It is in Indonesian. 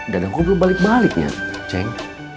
dadang kumplu balik baliknya ceng